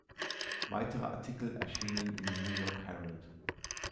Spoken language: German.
Weitere Artikel erschienen im New York Herald.